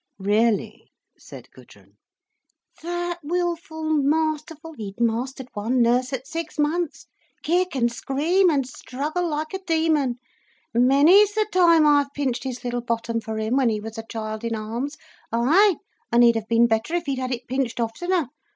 "Really," said Gudrun. "That wilful, masterful—he'd mastered one nurse at six months. Kick, and scream, and struggle like a demon. Many's the time I've pinched his little bottom for him, when he was a child in arms. Ay, and he'd have been better if he'd had it pinched oftener.